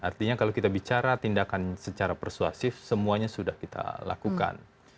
artinya kalau kita bicara tindakan secara persuasif semuanya sudah kita lakukan